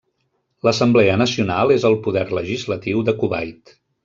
L'Assemblea Nacional és el poder legislatiu de Kuwait.